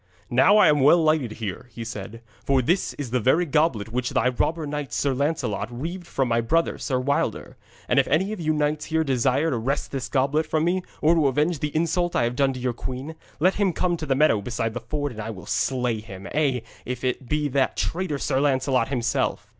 'Now am I well lighted here,' he said, 'for this is the very goblet which thy robber knight Sir Lancelot reaved from my brother, Sir Wilder. And if any of you knights here desire to wrest this goblet from me, or to avenge the insult I have done your queen, let him come to the meadow beside the ford, and I will slay him, ay, if it be that traitor Sir Lancelot himself.'